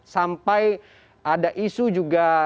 sampai ada isu juga